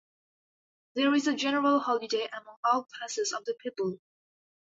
There is a general holiday among all classes of the people.